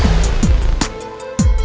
gak ada yang nungguin